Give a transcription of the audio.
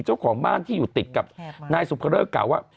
เจ้าของบ้านที่อยู่ติดกับนายสุภเริกกล่าวว่า